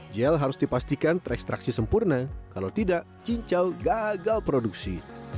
gel harus dipastikan terekstraksi sempurna kalau tidak cincau gagal produksi